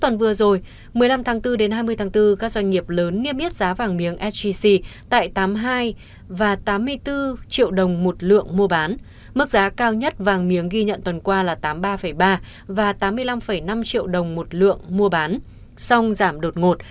từ ngày một mươi đến hai mươi tháng bốn các doanh nghiệp lớn niêm yết giá vàng miếng sec tại tám mươi hai và tám mươi bốn triệu đồng một lượng mua bán mức giá cao nhất vàng miếng ghi nhận tuần qua là tám mươi ba ba và tám mươi năm năm triệu đồng một lượng mua bán xong giảm đột ngột